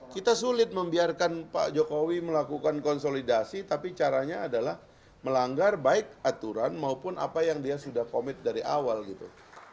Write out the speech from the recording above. kita sulit membiarkan pak jokowi melakukan konsolidasi tapi caranya adalah melanggar baik aturan maupun apa yang dia sudah komit dari awal gitu